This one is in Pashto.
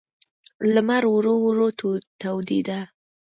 لمر ورو ورو تودېده.